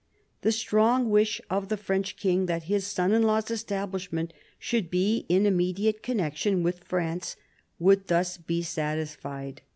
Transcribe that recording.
The strong wish of the French king that his son in law's establishment should be in immediate connection with France would thus be satisfied.